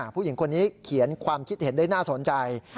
ผู้หญิงคนนี้เขียนความคิดเห็นได้น่าสนใจ